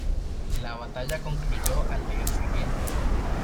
La batalla concluyó al día siguiente.